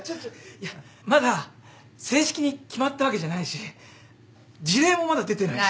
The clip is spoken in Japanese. いやまだ正式に決まったわけじゃないし辞令もまだ出てないし。